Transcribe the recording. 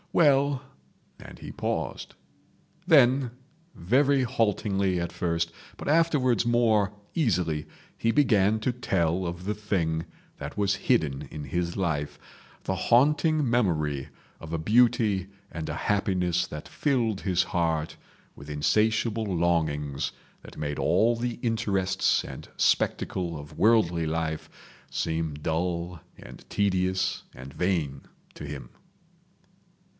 "Well"—and he paused. Then very haltingly at first, but afterwards more easily, he began to tell of the thing that was hidden in his life, the haunting memory of a beauty and a happiness that filled his heart with insatiable longings that made all the interests and spectacle of worldly life seem dull and tedious and vain to him.